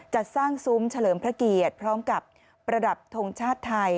จัดสร้างซุ้มเฉลิมพระเกียรติพร้อมกับประดับทงชาติไทย